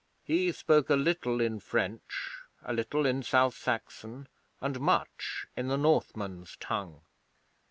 He spoke a little in French, a little in South Saxon, and much in the Northman's tongue.